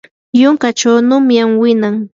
yunkachaw nunyam winan.